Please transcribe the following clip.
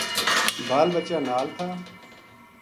بال بچہ نال تھا